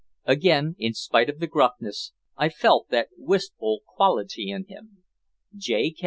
Again, in spite of the gruffness, I felt that wistful quality in him. J.